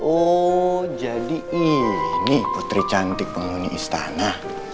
oh jadi ini putri cantik penghuni istana